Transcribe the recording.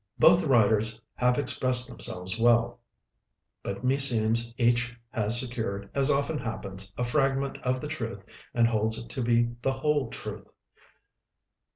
Both writers have expressed themselves well; but meseems each has secured, as often happens, a fragment of the truth and holds it to be the whole Truth.